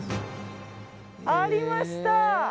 ありました！